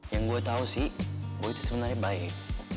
yang gue tahu sih gue itu sebenarnya baik